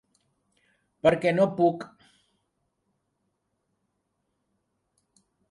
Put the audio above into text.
Perquè no puc.